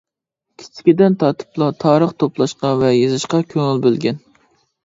كىچىكىدىن تارتىپلا تارىخ توپلاشقا ۋە يېزىشقا كۆڭۈل بۆلگەن.